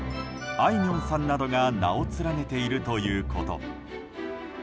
あいみょんさんなどが名を連ねているということ。